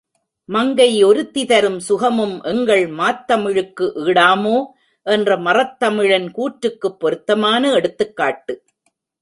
மங்கை ஒருத்தி தரும் சுகமும் எங்கள் மாத்தமிழுக்கு ஈடாமோ? என்ற மறத்தமிழன் கூற்றுக்குப் பொருத்தமான எடுத்துக்காட்டு!